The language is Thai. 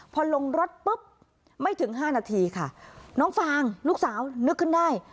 พอลงรถปุ๊บไม่ถึงห้านาทีค่ะน้องฟางลูกสาวนึกขึ้นได้